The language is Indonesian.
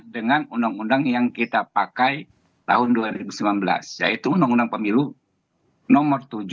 dengan undang undang yang kita pakai tahun dua ribu sembilan belas yaitu undang undang pemilu nomor tujuh